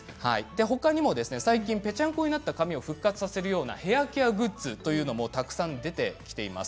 他にも最近ぺちゃんこになった髪を復活させるようなヘアケアグッズというのもたくさん出てきています。